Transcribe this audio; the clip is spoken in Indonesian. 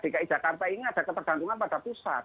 dki jakarta ini ada ketergantungan pada pusat